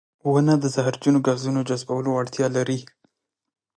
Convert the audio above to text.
• ونه د زهرجنو ګازونو جذبولو وړتیا لري.